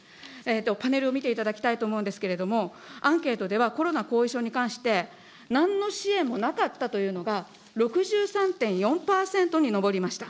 パネルを見ていただきたいと思うんですけれども、アンケートではコロナ後遺症に関して、なんの支援もなかったというのが、６３．４％に上りました。